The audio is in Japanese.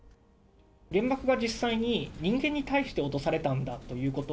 原爆が実際に人間に対して落とされたんだということ。